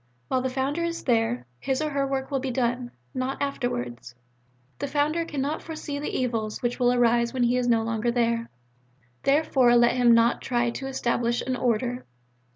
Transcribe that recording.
While the Founder is there, his or her work will be done, not afterwards. The Founder cannot foresee the evils which will arise when he is no longer there. Therefore let him not try to establish an Order.